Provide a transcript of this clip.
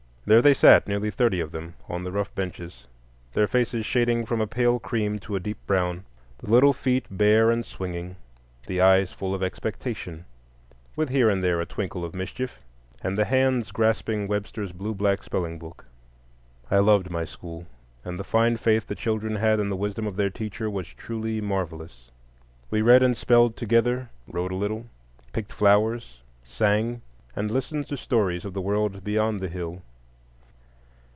There they sat, nearly thirty of them, on the rough benches, their faces shading from a pale cream to a deep brown, the little feet bare and swinging, the eyes full of expectation, with here and there a twinkle of mischief, and the hands grasping Webster's blue black spelling book. I loved my school, and the fine faith the children had in the wisdom of their teacher was truly marvellous. We read and spelled together, wrote a little, picked flowers, sang, and listened to stories of the world beyond the hill.